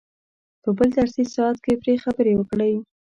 په بل درسي ساعت کې پرې خبرې وکړئ.